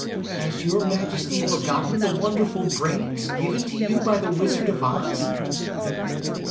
"Has your Majesty forgotten the wonderful brains given to you by the Wizard of Oz?"